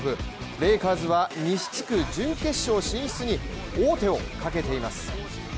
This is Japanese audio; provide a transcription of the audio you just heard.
レイカーズは西地区準決勝進出に王手をかけています。